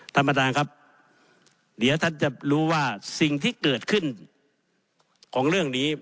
ท่านประธานครับเดี๋ยวท่านจะรู้ว่าสิ่งที่เกิดขึ้นของเรื่องนี้